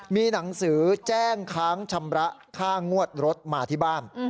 มีหนังสือแจ้งค้างชำระค่างวดรถมาที่บ้าน